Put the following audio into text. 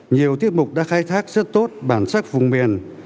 nhiều tiết mục đã khai thác rất tốt bản sắc vùng miền